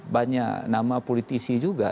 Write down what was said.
banyak nama politisi juga